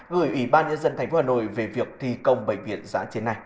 gửi ủy ban nhân dân thành phố hà nội về việc thi công bệnh viện giã chiến này